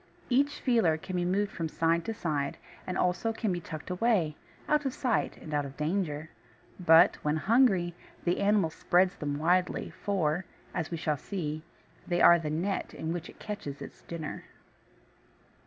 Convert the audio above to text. Each feeler can be moved from side to side, and can also be tucked away, out of sight and out of danger; but, when hungry, the animal spreads them widely, for, as we shall see, they are the net in which it catches its dinner.